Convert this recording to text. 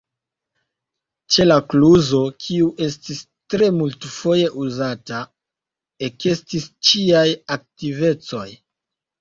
Ĉe la kluzo, kiu estis tre multfoje uzata, ekestis ĉiaj aktivecoj.